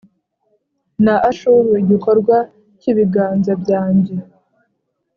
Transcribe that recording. na Ashuru igikorwa cy’ibiganza byanjye,